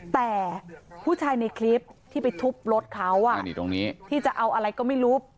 แต่ผู้ชายในคลิปที่ไปทุบรถเขาที่จะเอาอะไรก็ไม่รู้